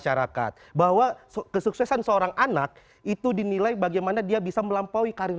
masyarakat bahwa kesuksesan seorang anak itu dinilai bagaimana dia bisa melampaui karir